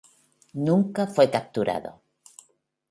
Nunca fue capturado.